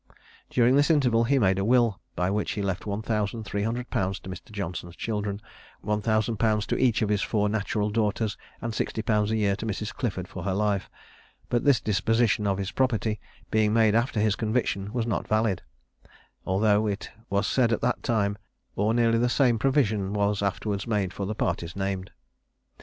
During this interval he made a will, by which he left one thousand three hundred pounds to Mr. Johnson's children; one thousand pounds to each of his four natural daughters; and sixty pounds a year to Mrs. Clifford for her life; but this disposition of his property being made after his conviction, was not valid; although it was said that the same, or nearly the same provision was afterwards made for the parties named.